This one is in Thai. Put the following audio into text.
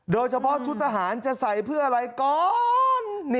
เฉพาะชุดทหารจะใส่เพื่ออะไรก่อน